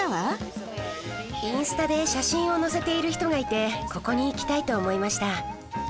インスタで写真をのせている人がいてここに行きたいと思いました。